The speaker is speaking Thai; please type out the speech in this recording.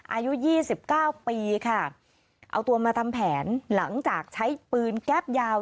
อายุยี่สิบเก้าปีค่ะเอาตัวมาทำแผนหลังจากใช้ปืนแก๊ปยาว